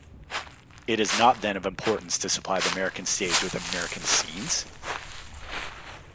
It is not then of importance to supply the American Stage with American Scenes?